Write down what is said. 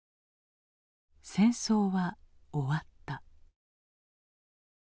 戦争は終わった。